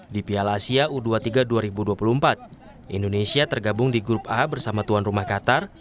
di piala asia u dua puluh tiga dua ribu dua puluh empat indonesia tergabung di grup a bersama tuan rumah qatar